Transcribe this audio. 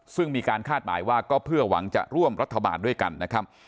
ซึ่งมีการคาดหมายว่าก็เพื่อหวังจะร่วมรัฐบาลด้วยกันนะครับ